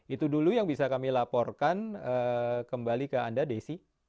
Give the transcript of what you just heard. itu dulu yang bisa kami laporkan kembali ke anda desi